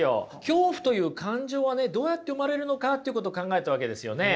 恐怖という感情はどうやって生まれるのかということを考えたわけですよね。